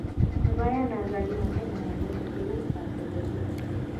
د بیان ازادي مهمه ده ځکه چې روح تازه کوي.